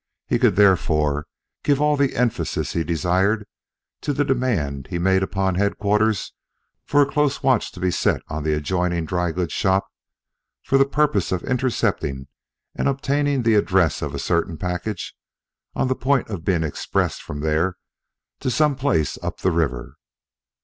He could, therefore, give all the emphasis he desired to the demand he made upon Headquarters for a close watch to be set on the adjoining dry goods shop, for the purpose of intercepting and obtaining the address of a certain package, on the point of being expressed from there to some place up the river.